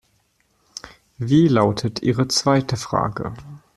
Wie lautete Ihre zweite Frage?